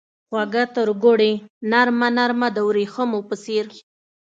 خوږه ترګوړې نرمه ، نرمه دوریښمو په څیر